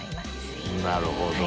なるほど。